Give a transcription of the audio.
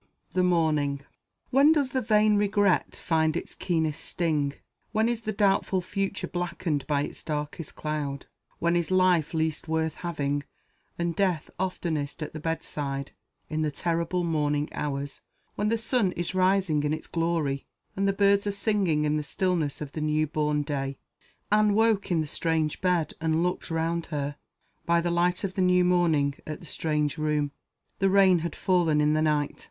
THE MORNING. WHEN does the vain regret find its keenest sting? When is the doubtful future blackened by its darkest cloud? When is life least worth having, and death oftenest at the bedside? In the terrible morning hours, when the sun is rising in its glory, and the birds are singing in the stillness of the new born day. Anne woke in the strange bed, and looked round her, by the light of the new morning, at the strange room. The rain had all fallen in the night.